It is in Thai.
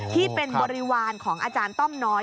ที่เป็นบริวารของอาจารย์ต้อมน้อย